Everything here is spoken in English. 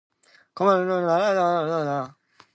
Commentators talked of Hallstein's "religious zeal".